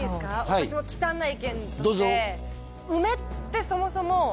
私も忌憚ない意見として梅ってそもそも。